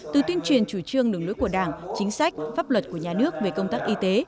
từ tuyên truyền chủ trương đường lưới của đảng chính sách pháp luật của nhà nước về công tác y tế